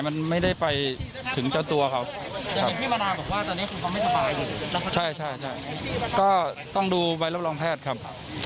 ว่าหมายถึงเขาหรือยังครับครับขอบคุณครับขอบคุณครับขอบคุณครับ